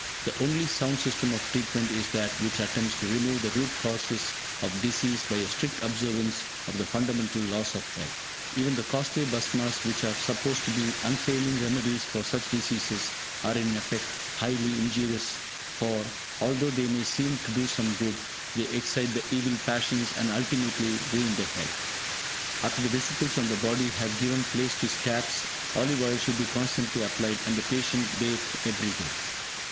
The only sound system of treatment is that which attempts to remove the root causes of disease by a strict observance of the fundamental laws of health. Even the costly Bhasmas which are supposed to be unfailing remedies for such diseases are in effect highly injurious; for, although they may seem to do some good, they excite the evil passions, and ultimately ruin the health. After the vesicles on the body have given place to scabs, olive oil should be constantly applied, and the patient bathed every day.